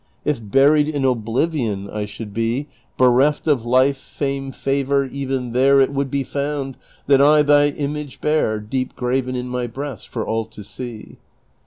If buried in oblivion I should be, Bereft of life, fame, favor, even there It would be found that I thy image bear Deep graven in ni} breast for all to see.